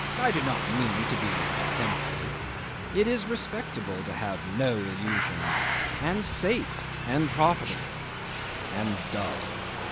I do not mean to be offensive; it is respectable to have no illusions and safe and profitable and dull.